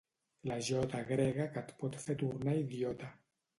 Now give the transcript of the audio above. La jota grega que et pot fer tornar idiota.